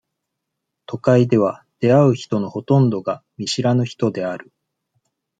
都会では、出会う人のほとんどが、見知らぬ人である。